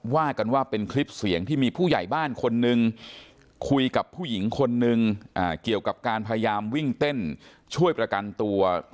ว่ากันว่าเป็นคลิปเสียงที่มีผู้ใหญ่บ้านคนนึงคุยกับผู้หญิงคนนึงเกี่ยวกับการพยายามวิ่งเต้นช่วยประกันตัว